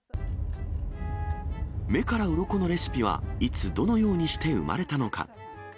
目からうろこのレシピは、いつどのようにして生まれたのか。